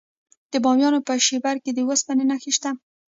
د بامیان په شیبر کې د وسپنې نښې شته.